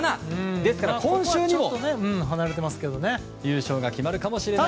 ですから今週にも優勝が決まるかもしれない。